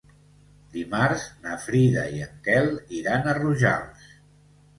Dimarts na Frida i en Quel iran a Rojals.